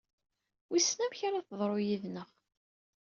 Wissen amek ara teḍru yid-neɣ?